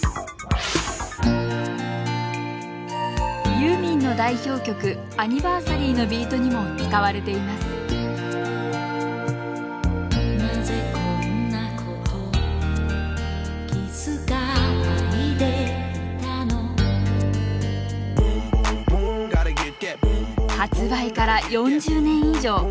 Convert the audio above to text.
ユーミンの代表曲「ＡＮＮＩＶＥＲＳＡＲＹ」のビートにも使われています発売から４０年以上。